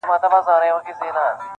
نه یې وېره له انسان وه نه له خدایه-